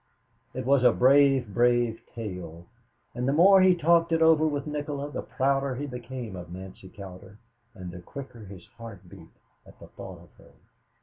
It was a brave, brave tale, and the more he talked it over with Nikola the prouder he became of Nancy Cowder, and the quicker his heart beat at the thought of her.